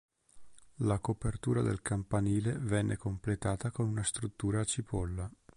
La copertura del campanile venne completata con una struttura a cipolla.